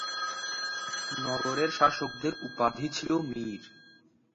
নগরের শাসকদের উপাধি ছিল "মীর"।